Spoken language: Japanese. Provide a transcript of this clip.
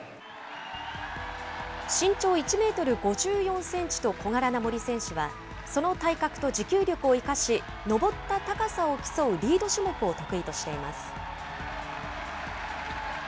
身長１メートル５４センチと小柄な森選手は、その体格と持久力を生かし、登った高さを競うリード種目を得意としています。